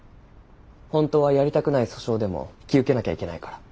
本当はやりたくない訴訟でも引き受けなきゃいけないから。